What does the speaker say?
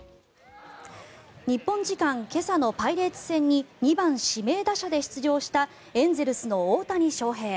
日本時間今朝のパイレーツ戦に２番指名打者で出場したエンゼルスの大谷翔平。